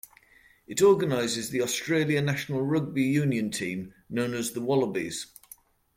It organises the Australia national rugby union team, known as the Wallabies.